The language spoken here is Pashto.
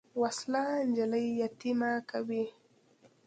وسله نجلۍ یتیمه کوي